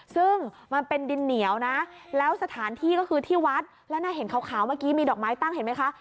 ซึ่งมันเป็นดินเหนียวนะแล้วสถานที่ก็คือที่วัดแล้วน่าเห็นขาวเมื่อกี้มีดอกไม้ตั้งเห็นไหมคะ